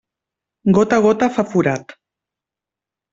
Gota a gota fa forat.